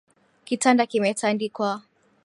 Kitanda kimetandikwa